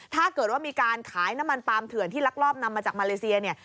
ถ้าเกิดว่ามีการขายน้ำมันปาล์เถื่อนที่ลักลอบนำมาจากมาเลเซียเนี่ย